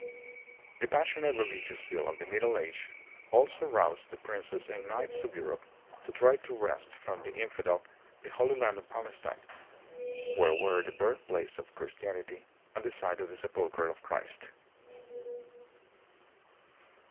The passionate religious zeal of the Middle Age also roused the princes and knights of Europe to try to wrest from the infidel the Holy Land of Palestine, where were the birthplace of Chris tianity and the site of the Sepulcher of Christ.